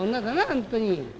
本当に。